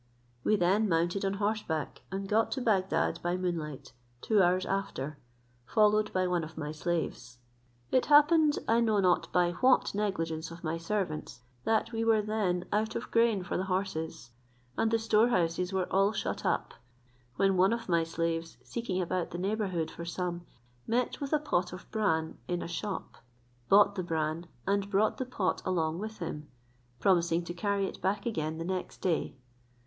We then mounted on horseback, and got to Bagdad by moonlight, two hours after, followed by one of my slaves. It happened, I know not by what negligence of my servants, that we were then out of grain for the horses, and the storehouses were all shut up; when one of my slaves seeking about the neighbourhood for some, met with a pot of bran in a shop; bought the bran, and brought the pot along with him, promising to carry it back again the next day.